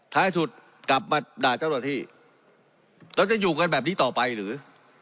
ท้ายสุดกลับมาด่าเจ้าหน้าที่แล้วจะอยู่กันแบบนี้ต่อไปหรือ